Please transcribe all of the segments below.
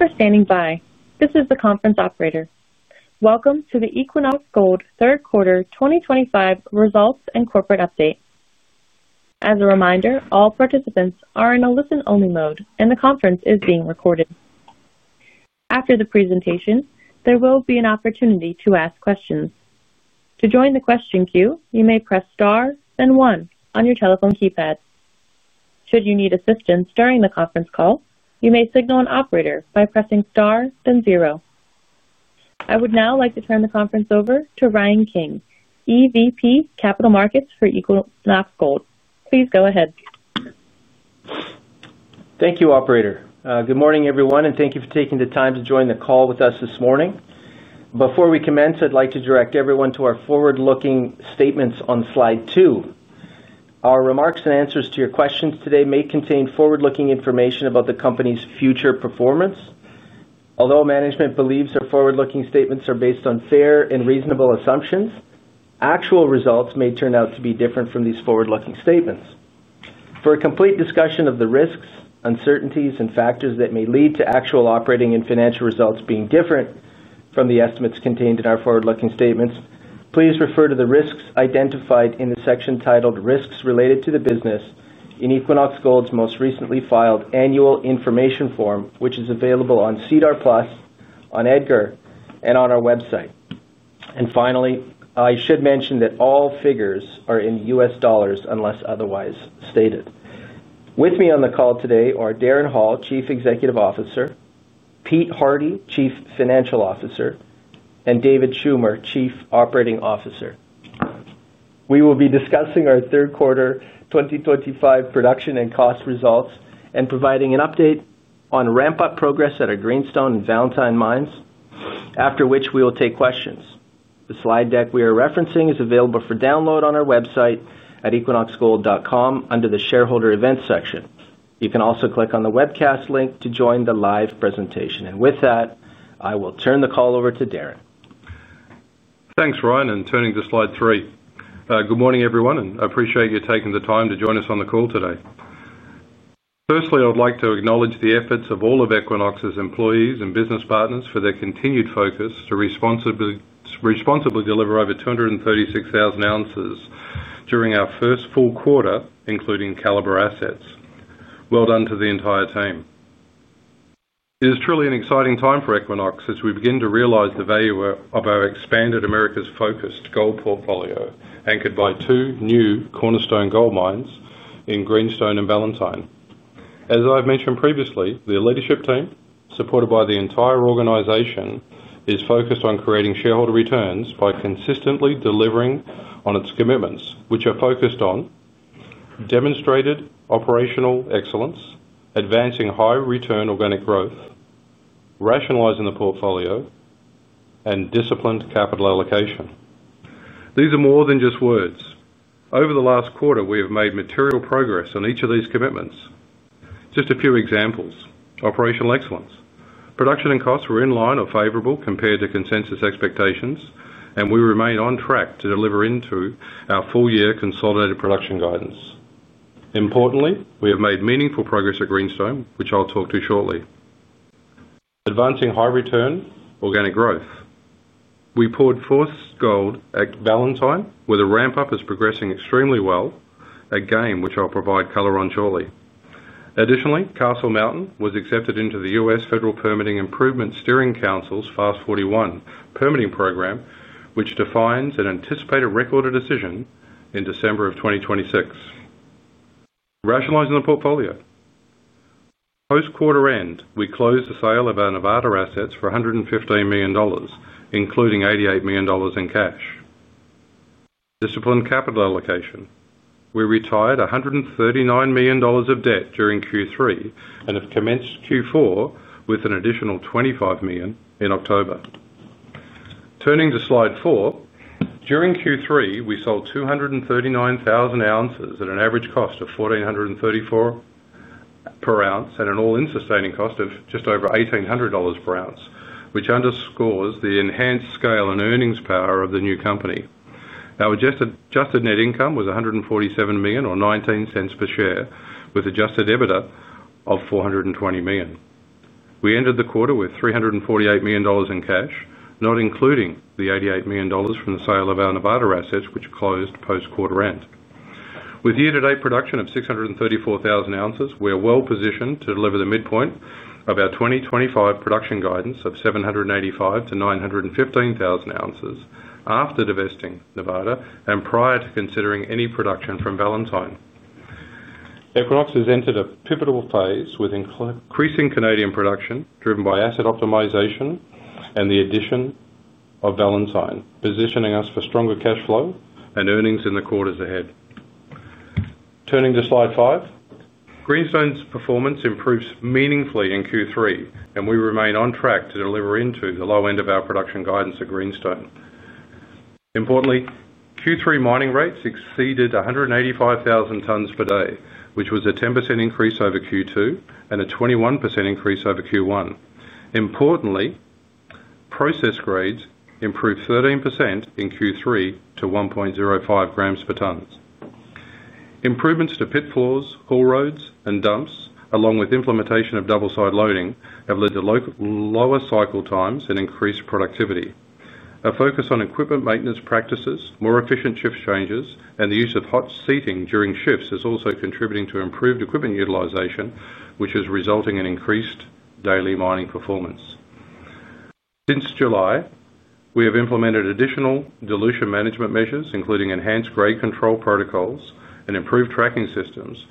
Thank you for standing by. This is the conference operator. Welcome to the Equinox Gold third quarter 2025 results and corporate update. As a reminder, all participants are in a listen-only mode, and the conference is being recorded. After the presentation, there will be an opportunity to ask questions. To join the question queue, you may press star then one on your telephone keypad. Should you need assistance during the conference call, you may signal an operator by pressing star then zero. I would now like to turn the conference over to Ryan King, EVP, Capital Markets for Equinox Gold. Please go ahead. Thank you, Operator. Good morning, everyone, and thank you for taking the time to join the call with us this morning. Before we commence, I'd like to direct everyone to our forward-looking statements on slide two. Our remarks and answers to your questions today may contain forward-looking information about the company's future performance. Although management believes our forward-looking statements are based on fair and reasonable assumptions, actual results may turn out to be different from these forward-looking statements. For a complete discussion of the risks, uncertainties, and factors that may lead to actual operating and financial results being different from the estimates contained in our forward-looking statements, please refer to the risks identified in the section titled Risks Related to the Business in Equinox Gold's most recently filed annual information form, which is available on SEDAR+, on EDGAR, and on our website. I should mention that all figures are in US dollars unless otherwise stated. With me on the call today are Darren Hall, Chief Executive Officer, Pete Hardy, Chief Financial Officer, and David Schummer, Chief Operating Officer. We will be discussing our third quarter 2025 production and cost results and providing an update on ramp-up progress at our Greenstone and Valentine Mines, after which we will take questions. The slide deck we are referencing is available for download on our website at equinoxgold.com under the Shareholder Events section. You can also click on the webcast link to join the live presentation. With that, I will turn the call over to Darren. Thanks, Ryan. Turning to slide three, good morning, everyone, and I appreciate you taking the time to join us on the call today. Firstly, I would like to acknowledge the efforts of all of Equinox's employees and business partners for their continued focus to responsibly deliver over 236,000 oz during our first full quarter, including Calibre assets. Well done to the entire team. It is truly an exciting time for Equinox as we begin to realize the value of our expanded Americas-focused gold portfolio anchored by two new cornerstone gold mines in Greenstone and Valentine. As I've mentioned previously, the leadership team, supported by the entire organization, is focused on creating shareholder returns by consistently delivering on its commitments, which are focused on demonstrated operational excellence, advancing high-return organic growth, rationalizing the portfolio, and disciplined capital allocation. These are more than just words. Over the last quarter, we have made material progress on each of these commitments. Just a few examples: operational excellence. Production and costs were in line or favorable compared to consensus expectations, and we remain on track to deliver into our full-year consolidated production guidance. Importantly, we have made meaningful progress at Greenstone, which I'll talk to shortly. Advancing high-return organic growth. We poured fourth gold at Valentine, where the ramp-up is progressing extremely well, a game which I'll provide color on shortly. Additionally, Castle Mountain was accepted into the U.S. Federal Permitting Improvement Steering Council's FAST-41 permitting program, which defines an anticipated record of decision in December of 2026. Rationalizing the portfolio. Post-quarter end, we closed the sale of our Nevada assets for $115 million, including $88 million in cash. Disciplined capital allocation. We retired $139 million of debt during Q3 and have commenced Q4 with an additional $25 million in October. Turning to slide four, during Q3, we sold 239,000 oz at an average cost of $1,434 per ounce and an all-in sustaining cost of just over $1,800 per ounce, which underscores the enhanced scale and earnings power of the new company. Our adjusted net income was $147 million or $0.19 per share, with adjusted EBITDA of $420 million. We ended the quarter with $348 million in cash, not including the $88 million from the sale of our Nevada assets, which closed post-quarter end. With year-to-date production of 634,000 oz, we are well positioned to deliver the midpoint of our 2025 production guidance of 785,000-915,000 oz after divesting Nevada and prior to considering any production from Valentine. Equinox has entered a pivotal phase with increasing Canadian production driven by asset optimization and the addition of Valentine, positioning us for stronger cash flow and earnings in the quarters ahead. Turning to slide five, Greenstone's performance improves meaningfully in Q3, and we remain on track to deliver into the low end of our production guidance at Greenstone. Importantly, Q3 mining rates exceeded 185,000 tons per day, which was a 10% increase over Q2 and a 21% increase over Q1. Importantly, process grades improved 13% in Q3 to 1.05 g per ton. Improvements to pit floors, haul roads, and dumps, along with implementation of double-side loading, have led to lower cycle times and increased productivity. A focus on equipment maintenance practices, more efficient shift changes, and the use of hot seating during shifts is also contributing to improved equipment utilization, which is resulting in increased daily mining performance. Since July, we have implemented additional dilution management measures, including enhanced grade control protocols and improved tracking systems,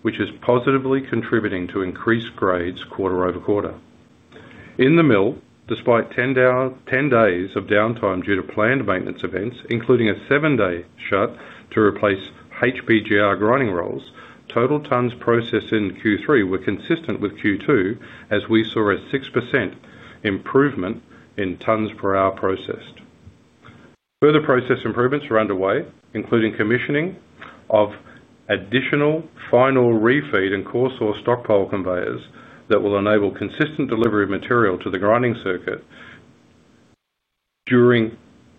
which is positively contributing to increased grades quarter-over-quarter. In the mill, despite 10 days of downtime due to planned maintenance events, including a seven-day shut to replace HPGR grinding rolls, total tons processed in Q3 were consistent with Q2, as we saw a 6% improvement in tons per hour processed. Further process improvements are underway, including commissioning of additional final refeed and coarse ore stockpile conveyors that will enable consistent delivery of material to the grinding circuit during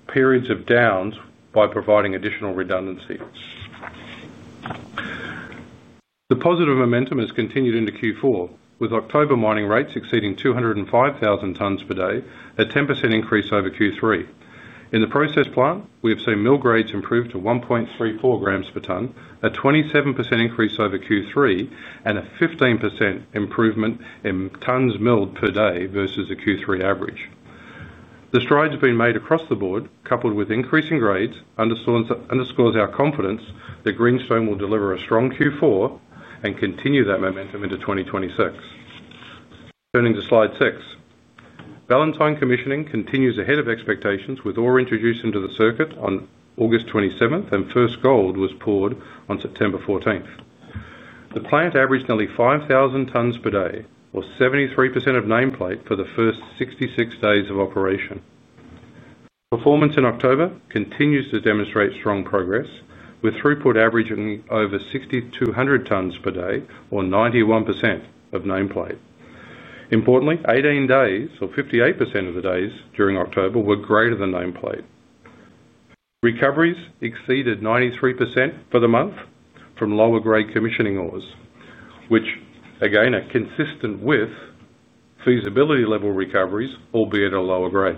periods of [downtime] by providing additional redundancy. The positive momentum has continued into Q4, with October mining rates exceeding 205,000 tons per day, a 10% increase over Q3. In the process plant, we have seen mill grades improve to 1.34 g per ton, a 27% increase over Q3, and a 15% improvement in tons milled per day versus the Q3 average. The strides being made across the board, coupled with increasing grades, underscores our confidence that Greenstone will deliver a strong Q4 and continue that momentum into 2026. Turning to slide six, Valentine commissioning continues ahead of expectations with ore introduced into the circuit on August 27, and first gold was poured on September 14. The plant averaged nearly 5,000 tons per day, or 73% of nameplate for the first 66 days of operation. Performance in October continues to demonstrate strong progress, with throughput averaging over 6,200 tons per day, or 91% of nameplate. Importantly, 18 days, or 58% of the days during October, were greater than nameplate. Recoveries exceeded 93% for the month from lower-grade commissioning ores, which, again, are consistent with feasibility-level recoveries, albeit at a lower grade.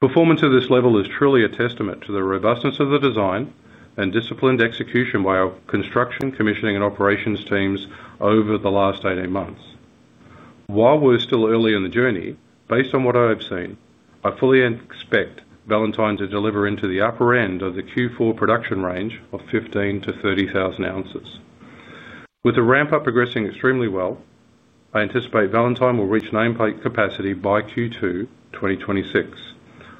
Performance at this level is truly a testament to the robustness of the design and disciplined execution by our construction, commissioning, and operations teams over the last 18 months. While we're still early in the journey, based on what I have seen, I fully expect Valentine to deliver into the upper end of the Q4 production range of 15,000-30,000 oz. With the ramp-up progressing extremely well, I anticipate Valentine will reach nameplate capacity by Q2 2026.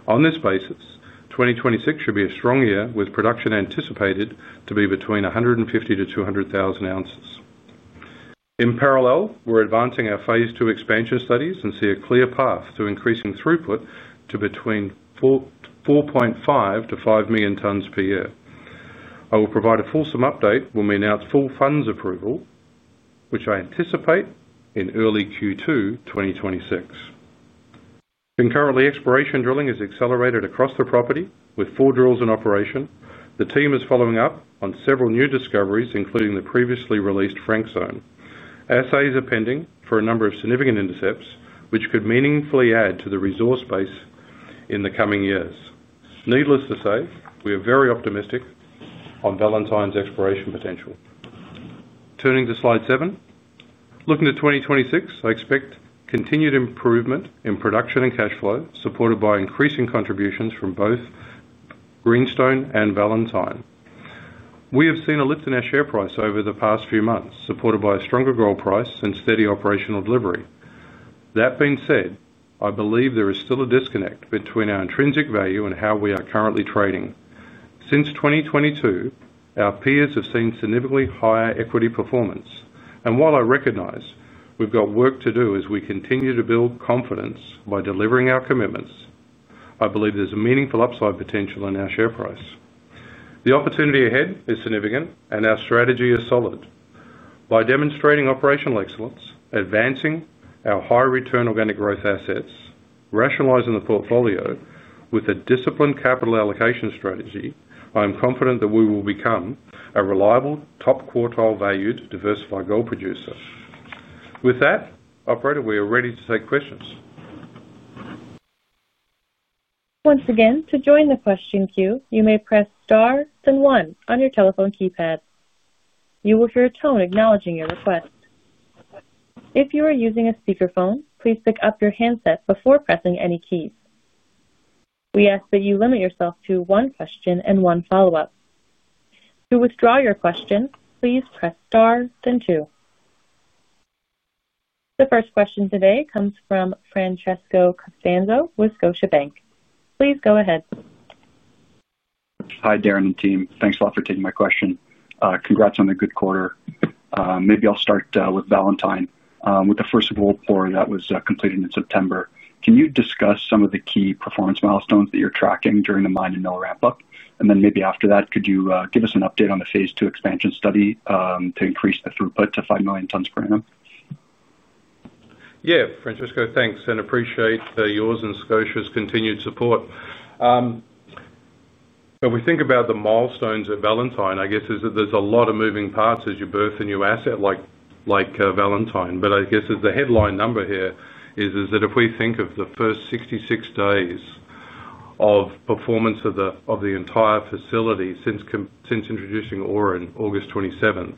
On this basis, 2026 should be a strong year, with production anticipated to be between 150,000-200,000 oz. In parallel, we're advancing our phase two expansion studies and see a clear path to increasing throughput to between 4.5 million-5 million tons per year. I will provide a fulsome update when we announce full funds approval, which I anticipate in early Q2 2026. Concurrently, exploration drilling is accelerated across the property with four drills in operation. The team is following up on several new discoveries, including the previously released [Frank Zone]. Assays are pending for a number of significant intercepts, which could meaningfully add to the resource base in the coming years. Needless to say, we are very optimistic on Valentine's exploration potential. Turning to slide seven, looking to 2026, I expect continued improvement in production and cash flow, supported by increasing contributions from both Greenstone and Valentine. We have seen a lift in our share price over the past few months, supported by a stronger gold price and steady operational delivery. That being said, I believe there is still a disconnect between our intrinsic value and how we are currently trading. Since 2022, our peers have seen significantly higher equity performance. While I recognize we've got work to do as we continue to build confidence by delivering our commitments, I believe there's a meaningful upside potential in our share price. The opportunity ahead is significant, and our strategy is solid. By demonstrating operational excellence, advancing our high-return organic growth assets, rationalizing the portfolio with a disciplined capital allocation strategy, I am confident that we will become a reliable, top quartile valued diversified gold producer. With that, Operator, we are ready to take questions. Once again, to join the question queue, you may press star then one on your telephone keypad. You will hear a tone acknowledging your request. If you are using a speakerphone, please pick up your handset before pressing any keys. We ask that you limit yourself to one question and one follow-up. To withdraw your question, please press star then two. The first question today comes from Francesco Costanzo with Scotiabank. Please go ahead. Hi, Darren and team. Thanks a lot for taking my question. Congrats on a good quarter. Maybe I'll start with Valentine. With the first of all, that was completed in September. Can you discuss some of the key performance milestones that you're tracking during the mine and mill ramp-up? Then maybe after that, could you give us an update on the phase two expansion study to increase the throughput to 5 million tons per annum? Yeah, Francesco, thanks. I appreciate yours and Scotia's continued support. If we think about the milestones at Valentine, I guess there's a lot of moving parts as you birth a new asset like Valentine. I guess the headline number here is that if we think of the first 66 days of performance of the entire facility since introducing ore on August 27th,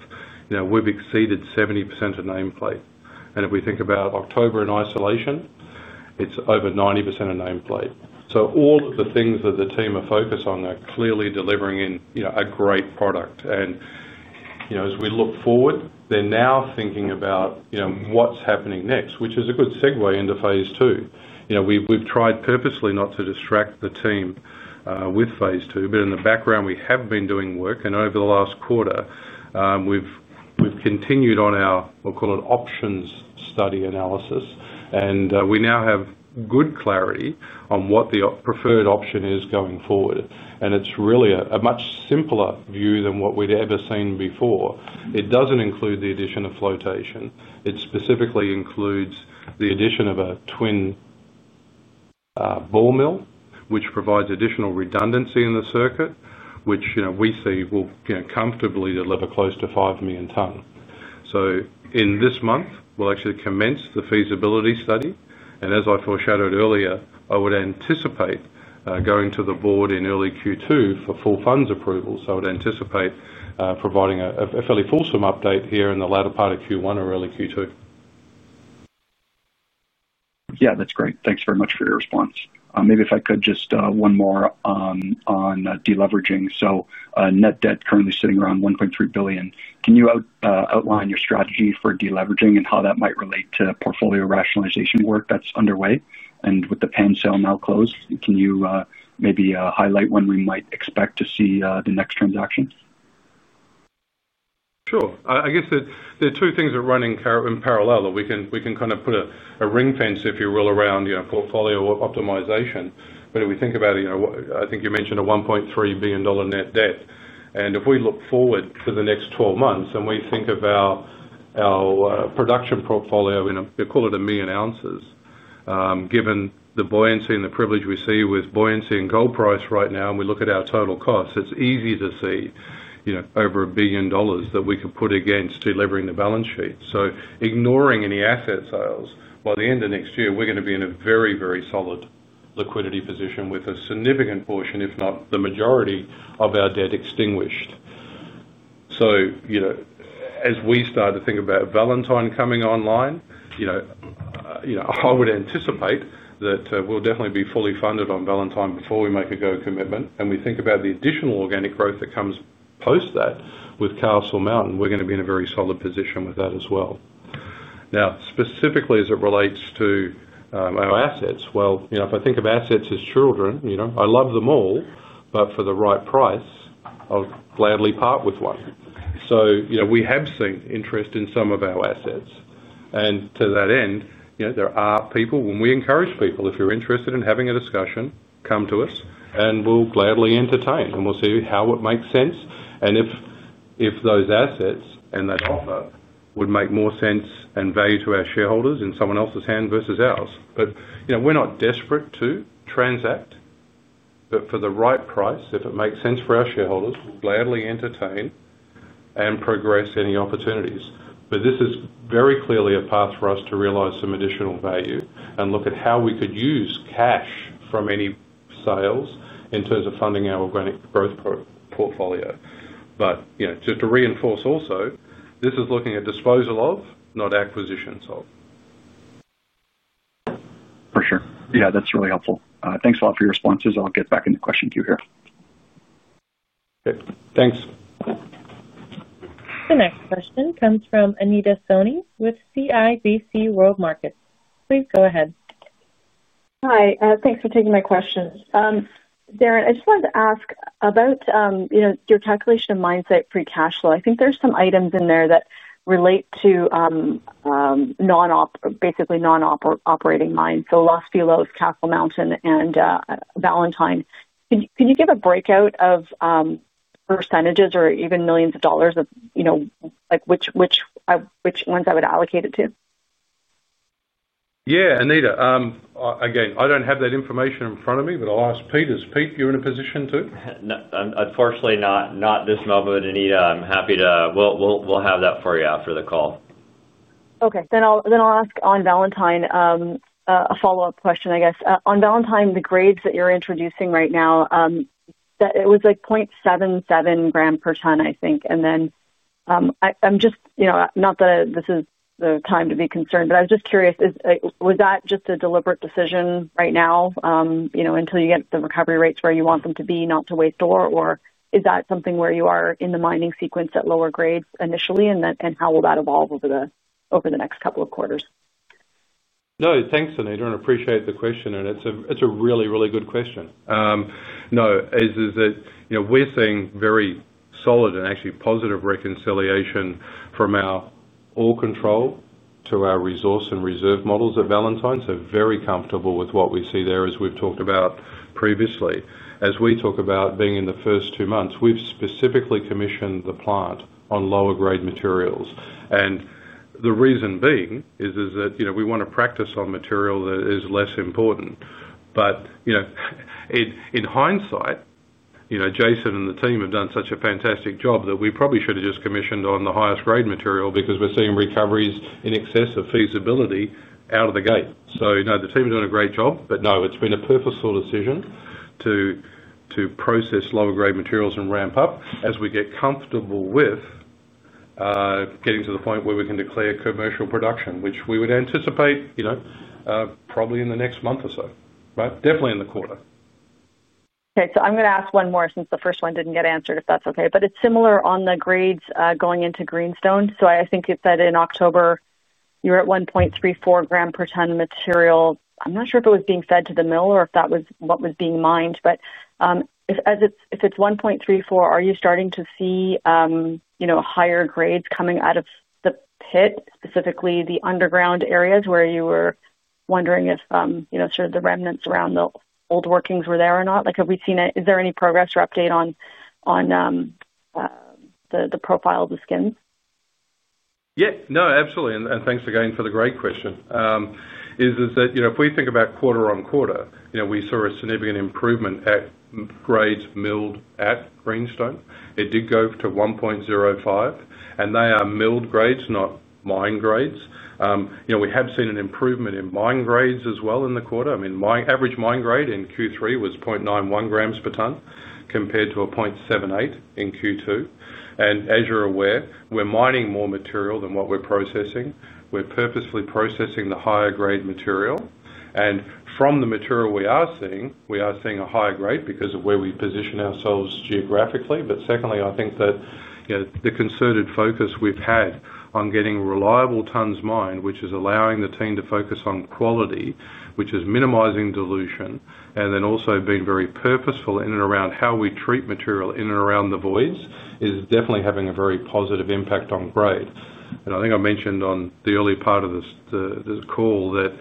we've exceeded 70% of nameplate. If we think about October in isolation, it's over 90% of nameplate. All of the things that the team are focused on are clearly delivering a great product. As we look forward, they're now thinking about what's happening next, which is a good segue into phase two. We've tried purposely not to distract the team with phase two, but in the background, we have been doing work. Over the last quarter, we've continued on our, we'll call it, options study analysis. We now have good clarity on what the preferred option is going forward. It's really a much simpler view than what we'd ever seen before. It doesn't include the addition of flotation. It specifically includes the addition of a twin ball mill, which provides additional redundancy in the circuit, which we see will comfortably deliver close to 5 million ton. In this month, we'll actually commence the feasibility study. As I foreshadowed earlier, I would anticipate going to the board in early Q2 for full funds approval. I would anticipate providing a fairly fulsome update here in the latter part of Q1 or early Q2. Yeah, that's great. Thanks very much for your response. Maybe if I could just one more on deleveraging. So net debt currently sitting around $1.3 billion. Can you outline your strategy for deleveraging and how that might relate to portfolio rationalization work that's underway? With the Pan sale now closed, can you maybe highlight when we might expect to see the next transaction? Sure. I guess there are two things that are running in parallel. We can kind of put a ring fence, if you will, around portfolio optimization. If we think about it, I think you mentioned a $1.3 billion net debt. If we look forward to the next 12 months and we think of our production portfolio, we call it 1 million oz. Given the buoyancy and the privilege we see with buoyancy in gold price right now, and we look at our total costs, it's easy to see over $1 billion that we could put against delivering the balance sheet. Ignoring any asset sales, by the end of next year, we're going to be in a very, very solid liquidity position with a significant portion, if not the majority, of our debt extinguished. As we start to think about Valentine coming online, I would anticipate that we'll definitely be fully funded on Valentine before we make a gold commitment. We think about the additional organic growth that comes post that with Castle Mountain, we're going to be in a very solid position with that as well. Now, specifically as it relates to our assets, well, if I think of assets as children, I love them all, but for the right price, I'll gladly part with one. We have seen interest in some of our assets. To that end, there are people, and we encourage people, if you're interested in having a discussion, come to us, and we'll gladly entertain, and we'll see how it makes sense. If those assets and that offer would make more sense and value to our shareholders in someone else's hand versus ours. We're not desperate to transact, but for the right price, if it makes sense for our shareholders, we'll gladly entertain and progress any opportunities. This is very clearly a path for us to realize some additional value and look at how we could use cash from any sales in terms of funding our organic growth portfolio. Just to reinforce also, this is looking at disposal of, not acquisitions of. For sure. Yeah, that's really helpful. Thanks a lot for your responses. I'll get back in the question queue here. Okay. Thanks. The next question comes from Anita Soni with CIBC World Markets. Please go ahead. Hi. Thanks for taking my questions. Darren, I just wanted to ask about your calculation of mindset free cash flow. I think there's some items in there that relate to basically non-operating mines. So Los Filos, Castle Mountain, and Valentine. Can you give a breakout of percentages or even millions of dollars of which ones I would allocate it to? Yeah, Anita. Again, I don't have that information in front of me, but I'll ask Peter. Peter, you're in a position too? No, unfortunately not at this moment, Anita. I'm happy to—we'll have that for you after the call. Okay. Then I'll ask on Valentine. A follow-up question, I guess. On Valentine, the grades that you're introducing right now, it was like 0.77 g per ton, I think. I'm just—not that this is the time to be concerned, but I was just curious, was that just a deliberate decision right now until you get the recovery rates where you want them to be, not to waste ore? Or is that something where you are in the mining sequence at lower grades initially, and how will that evolve over the next couple of quarters? No, thanks, Anita. I appreciate the question. It is a really, really good question. No, as is, we are seeing very solid and actually positive reconciliation from our ore control to our resource and reserve models at Valentine. Very comfortable with what we see there, as we have talked about previously. As we talk about being in the first two months, we have specifically commissioned the plant on lower-grade materials. The reason being is that we want to practice on material that is less important. In hindsight, Jason and the team have done such a fantastic job that we probably should have just commissioned on the highest-grade material because we are seeing recoveries in excess of feasibility out of the gate. The team has done a great job. It has been a purposeful decision to process lower-grade materials and ramp up as we get comfortable with getting to the point where we can declare commercial production, which we would anticipate. Probably in the next month or so, right? Definitely in the quarter. Okay. I'm going to ask one more since the first one didn't get answered, if that's okay. It's similar on the grades going into Greenstone. I think you said in October you were at 1.34 g per ton material. I'm not sure if it was being fed to the mill or if that was what was being mined. If it's 1.34 g, are you starting to see higher grades coming out of the pit, specifically the underground areas where you were wondering if sort of the remnants around the old workings were there or not? Have we seen, is there any progress or update on the profile of the skin? Yeah. No, absolutely. Thanks again for the great question. If we think about quarter on quarter, we saw a significant improvement at grades milled at Greenstone. It did go to 1.05 g, and they are milled grades, not mine grades. We have seen an improvement in mine grades as well in the quarter. I mean, my average mine grade in Q3 was 0.91 g per ton compared to a 0.78 g in Q2. As you're aware, we're mining more material than what we're processing. We're purposefully processing the higher-grade material. From the material we are seeing, we are seeing a higher grade because of where we position ourselves geographically. Secondly, I think that the concerted focus we've had on getting reliable tons mined, which is allowing the team to focus on quality, which is minimizing dilution, and then also being very purposeful in and around how we treat material in and around the voids is definitely having a very positive impact on grade. I think I mentioned on the early part of the call that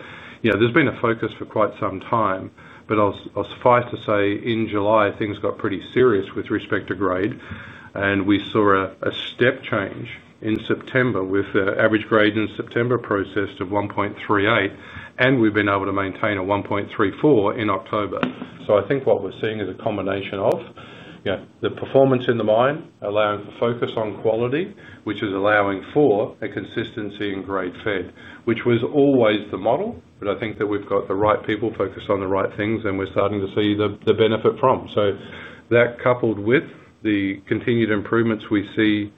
there's been a focus for quite some time. I'll suffice to say, in July, things got pretty serious with respect to grade. We saw a step change in September with the average grade in September processed of 1.38 g, and we've been able to maintain a 1.34 g in October. I think what we're seeing is a combination of the performance in the mine, allowing for focus on quality, which is allowing for a consistency in grade fed, which was always the model. I think that we've got the right people focused on the right things, and we're starting to see the benefit from it. That, coupled with the continued improvements we see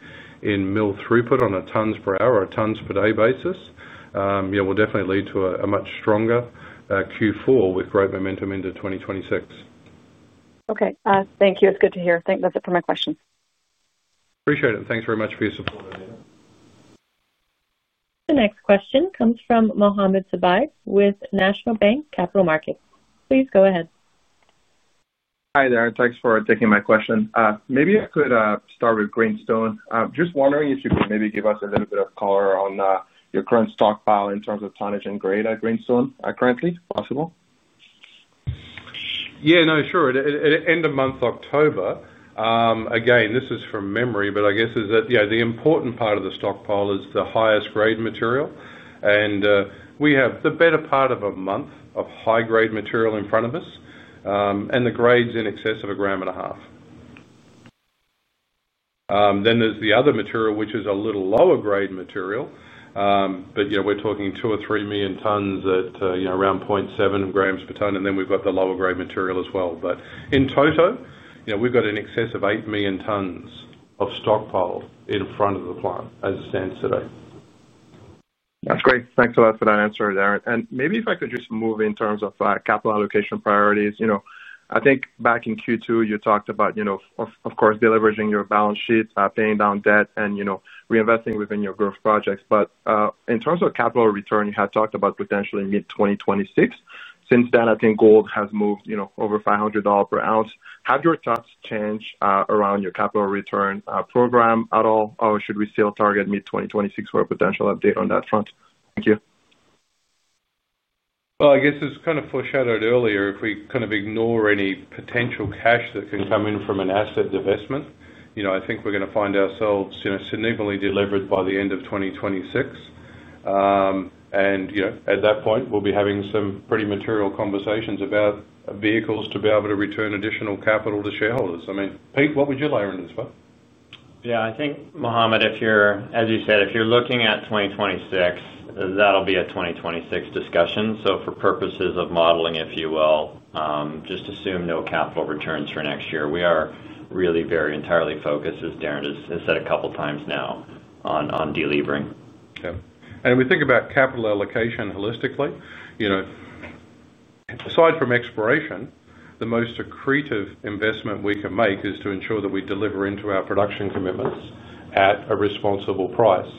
in mill throughput on a tons per hour or a tons per day basis, will definitely lead to a much stronger Q4 with great momentum into 2026. Okay. Thank you. It's good to hear. Thank you. That's it for my questions. Appreciate it. Thanks very much for your support, Anita. The next question comes from Mohamed Sidibé with National Bank Capital Markets. Please go ahead. Hi there. Thanks for taking my question. Maybe I could start with Greenstone. Just wondering if you could maybe give us a little bit of color on your current stockpile in terms of tonnage and grade at Greenstone currently, if possible. Yeah, no, sure. At the end of the month, October, again, this is from memory, but I guess the important part of the stockpile is the highest-grade material. We have the better part of a month of high-grade material in front of us and the grades in excess of 1.5 g. There is the other material, which is a little lower-grade material. We are talking 2 million or 3 million tons at around 0.7 grams per ton. We have the lower-grade material as well. In total, we have in excess of 8 million tons of stockpile in front of the plant as it stands today. That's great. Thanks a lot for that answer, Darren. Maybe if I could just move in terms of capital allocation priorities. I think back in Q2, you talked about, of course, delivering your balance sheet, paying down debt, and reinvesting within your growth projects. In terms of capital return, you had talked about potentially mid-2026. Since then, I think gold has moved over $500 per ounce. Have your thoughts changed around your capital return program at all? Should we still target mid-2026 for a potential update on that front? Thank you. I guess it was kind of foreshadowed earlier. If we kind of ignore any potential cash that can come in from an asset investment, I think we're going to find ourselves significantly delevered by the end of 2026. At that point, we'll be having some pretty material conversations about vehicles to be able to return additional capital to shareholders. I mean, Pete, what would you lay around as well? Yeah, I think, Mohamed, as you said, if you're looking at 2026, that'll be a 2026 discussion. For purposes of modeling, if you will, just assume no capital returns for next year. We are really very entirely focused, as Darren has said a couple of times now, on delivering. Yeah. If we think about capital allocation holistically, aside from exploration, the most accretive investment we can make is to ensure that we deliver into our production commitments at a responsible price.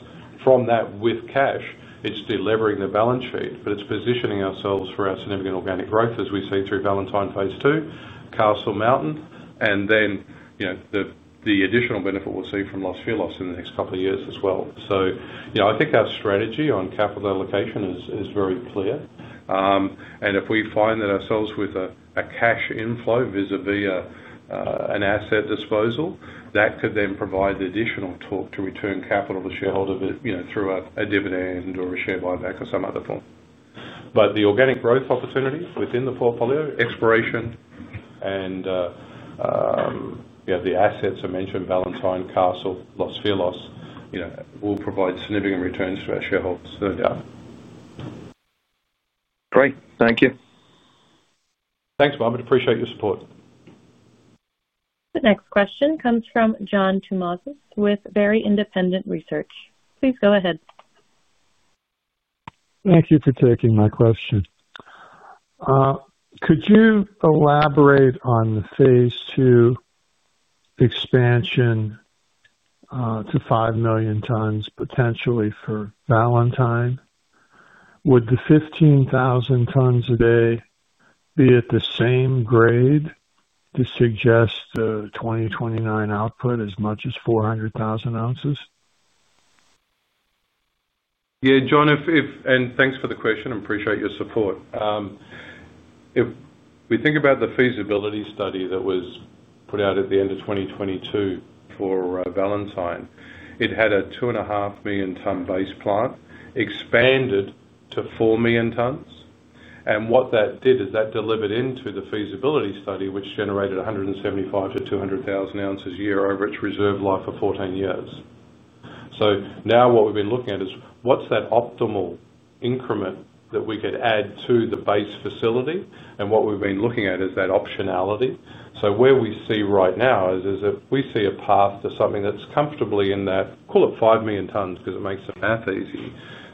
From that, with cash, it is delivering the balance sheet, but it is positioning ourselves for our significant organic growth, as we have seen through Valentine phase two, Castle Mountain, and then the additional benefit we will see from Los Filos in the next couple of years as well. I think our strategy on capital allocation is very clear. If we find ourselves with a cash inflow vis-à-vis an asset disposal, that could then provide the additional torque to return capital to shareholders through a dividend or a share buyback or some other form. The organic growth opportunities within the portfolio, exploration, and the assets I mentioned, Valentine, Castle, Los Filos. Will provide significant returns to our shareholders, no doubt. Great. Thank you. Thanks, Mohamed. Appreciate your support. The next question comes from John Tumazos with Very Independent Research. Please go ahead. Thank you for taking my question. Could you elaborate on the phase two expansion to 5 million tons potentially for Valentine? Would the 15,000 tons a day be at the same grade to suggest the 2029 output as much as 400,000 oz? Yeah, John, and thanks for the question. I appreciate your support. If we think about the feasibility study that was put out at the end of 2022 for Valentine, it had a 2.5 million-ton base plant expanded to 4 million tons. What that did is that delivered into the feasibility study, which generated 175,000-200,000 oz a year over its reserve life of 14 years. Now what we have been looking at is what is that optimal increment that we could add to the base facility? What we have been looking at is that optionality. Where we see right now is if we see a path to something that is comfortably in that, call it 5 million tons because it makes the math easy,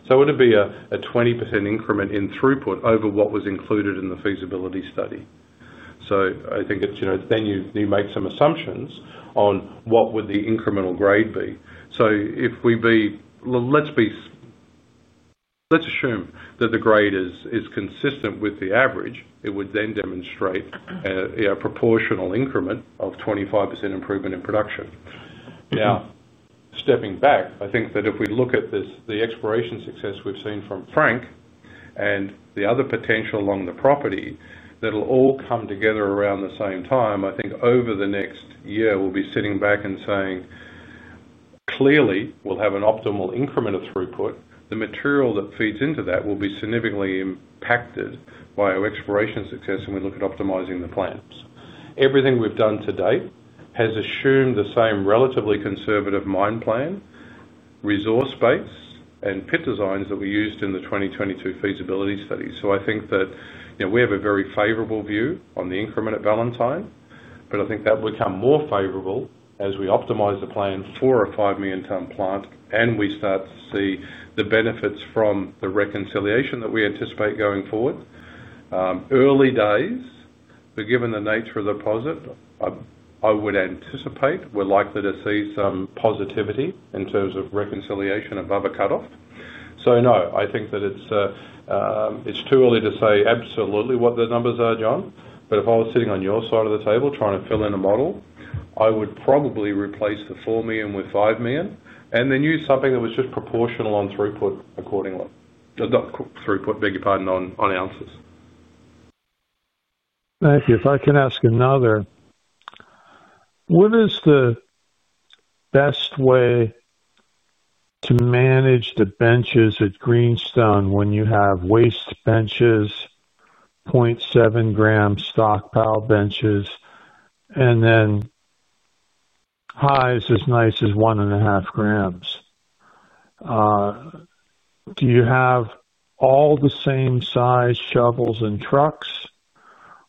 so it would be a 20% increment in throughput over what was included in the feasibility study. I think then you make some assumptions on what would the incremental grade be. If we be, let's assume that the grade is consistent with the average, it would then demonstrate a proportional increment of 25% improvement in production. Now, stepping back, I think that if we look at the exploration success we've seen from Frank and the other potential along the property, that'll all come together around the same time. I think over the next year, we'll be sitting back and saying, clearly, we'll have an optimal increment of throughput. The material that feeds into that will be significantly impacted by our exploration success when we look at optimizing the plants. Everything we've done to date has assumed the same relatively conservative mine plan, resource base, and pit designs that we used in the 2022 feasibility study. I think that we have a very favorable view on the increment at Valentine, but I think that will become more favorable as we optimize the plan for a 5 million-ton plant, and we start to see the benefits from the reconciliation that we anticipate going forward. Early days, but given the nature of the deposit, I would anticipate we're likely to see some positivity in terms of reconciliation above a cutoff. No, I think that it's too early to say absolutely what the numbers are, John. If I was sitting on your side of the table trying to fill in a model, I would probably replace the 4 million with 5 million and then use something that was just proportional on throughput accordingly. Not throughput, beg your pardon, on ounces. Matthew, if I can ask another. What is the best way to manage the benches at Greenstone when you have waste benches, 0.7 g stockpile benches, and then highs as nice as 1.5 g? Do you have all the same size shovels and trucks,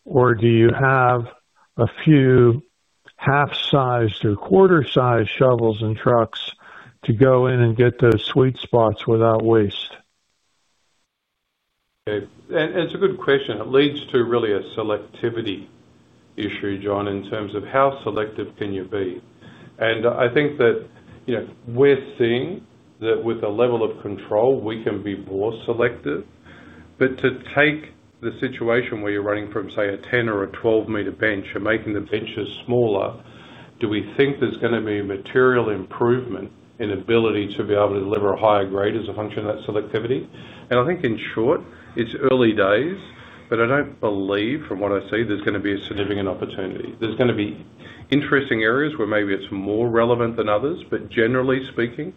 or do you have a few half-sized or quarter-sized shovels and trucks to go in and get those sweet spots without waste? Okay. It's a good question. It leads to really a selectivity issue, John, in terms of how selective can you be? I think that we're seeing that with a level of control, we can be more selective. To take the situation where you're running from, say, a 10 m or a 12 m bench and making the benches smaller, do we think there's going to be material improvement in ability to be able to deliver a higher grade as a function of that selectivity? I think in short, it's early days, but I don't believe, from what I see, there's going to be a significant opportunity. There's going to be interesting areas where maybe it's more relevant than others. Generally speaking,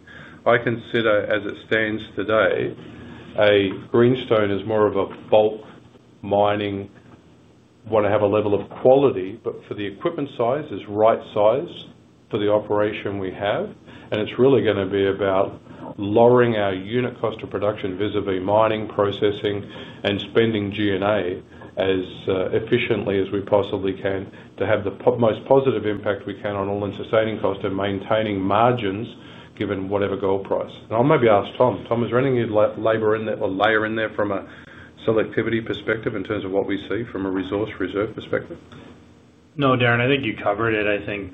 I consider, as it stands today, Greenstone is more of a bulk mining. Want to have a level of quality, but for the equipment size, it's right size for the operation we have. It's really going to be about lowering our unit cost of production vis-à-vis mining, processing, and spending G&A as efficiently as we possibly can to have the most positive impact we can on all-in sustaining cost and maintaining margins given whatever gold price. I'll maybe ask Tom. Tom, is there anything you'd layer in there from a selectivity perspective in terms of what we see from a resource reserve perspective? No, Darren, I think you covered it. I think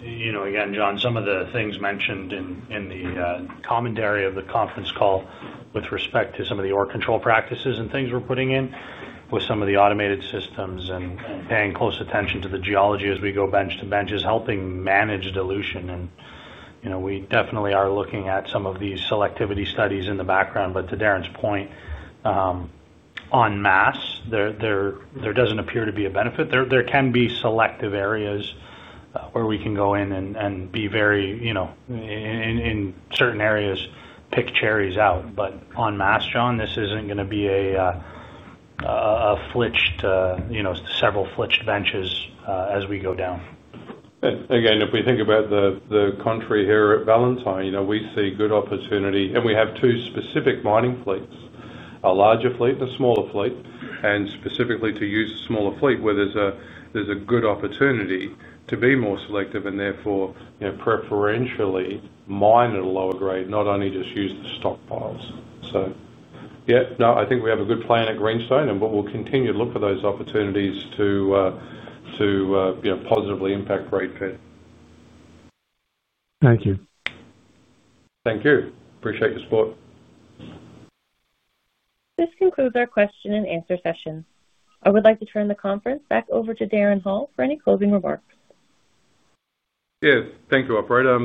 the, again, John, some of the things mentioned in the commentary of the conference call with respect to some of the ore control practices and things we're putting in with some of the automated systems and paying close attention to the geology as we go bench to bench is helping manage dilution. We definitely are looking at some of these selectivity studies in the background. To Darren's point, on mass, there does not appear to be a benefit. There can be selective areas where we can go in and be very, in certain areas, pick cherries out. On mass, John, this is not going to be a several flitched benches as we go down. Again, if we think about the country here at Valentine, we see good opportunity. We have two specific mining fleets, a larger fleet and a smaller fleet, and specifically to use a smaller fleet where there's a good opportunity to be more selective and therefore preferentially mine at a lower grade, not only just use the stockpiles. Yeah, no, I think we have a good plan at Greenstone, and we'll continue to look for those opportunities to positively impact grade fed. Thank you. Thank you. Appreciate your support. This concludes our question and answer session. I would like to turn the conference back over to Darren Hall for any closing remarks. Yeah. Thank you, Operator.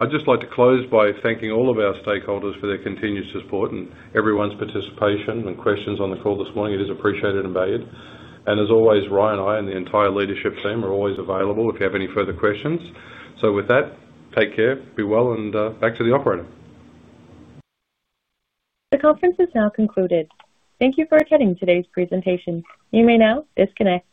I'd just like to close by thanking all of our stakeholders for their continued support and everyone's participation and questions on the call this morning. It is appreciated and valued. As always, Ryan and I and the entire leadership team are always available if you have any further questions. With that, take care, be well, and back to the operator. The conference is now concluded. Thank you for attending today's presentation. You may now disconnect.